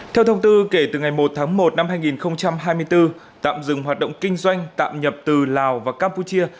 theo thông tư kể từ ngày một tháng một năm hai nghìn hai mươi bốn tạm dừng hoạt động kinh doanh tạm nhập từ lào và campuchia